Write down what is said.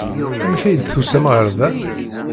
Amek ay d-tusam ɣer da?